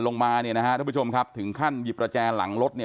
ลงมาเนี่ยนะฮะท่านผู้ชมครับถึงขั้นหยิบประแจหลังรถเนี่ย